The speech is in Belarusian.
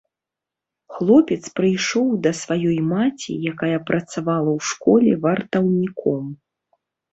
Хлопец прыйшоў да сваёй маці, якая працавала ў школе вартаўніком.